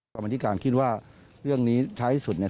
ความอันตรีการคิดว่าเรื่องนี้ท้ายที่สุดเนี่ย